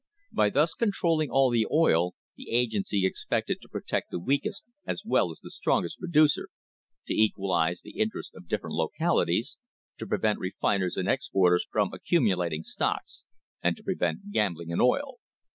By thus controlling all the oil, the agency expected to protect the weakest as well as the strongest producer, to equalise the interest of different localities, to prevent refiners and exporters from accumulating stocks, and to prevent gambling in oil.